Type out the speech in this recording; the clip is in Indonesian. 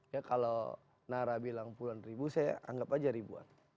ya kalau nara bilang puluhan ribu saya anggap aja ribuan